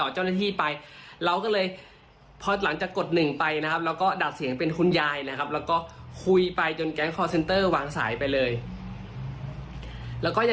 จนแก๊งคอร์เซ็นเตอร์วางสายไปเลยค่ะ